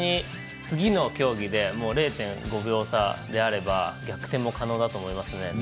次の競技で、０．５秒差であれば逆転も可能だと思いますね。